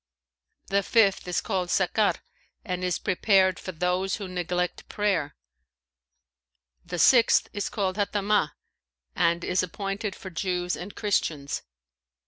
The fifth is called Sakar and is prepared for those who neglect prayer. The sixth is called Hatamah and is appointed for Jews and Christians.